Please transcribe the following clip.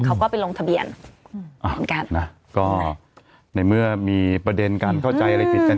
เขาก็ไปลงทะเบียนเหมือนกันนะก็ในเมื่อมีประเด็นการเข้าใจอะไรผิดกัน